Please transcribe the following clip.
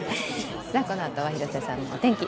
このあとは広瀬さんのお天気。